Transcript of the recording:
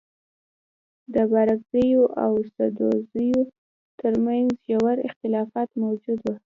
د بارکزيو او سدوزيو تر منځ ژور اختلافات موجود وه.